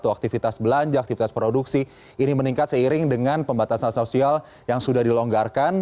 aktivitas belanja aktivitas produksi ini meningkat seiring dengan pembatasan sosial yang sudah dilonggarkan